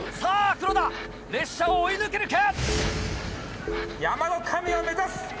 黒田列車を追い抜けるか？